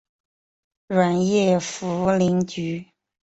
软叶茯苓菊